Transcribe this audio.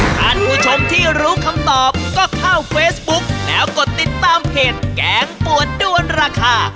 ท่านผู้ชมที่รู้คำตอบก็เข้าเฟซบุ๊กแล้วกดติดตามเพจแกงปวดด้วนราคา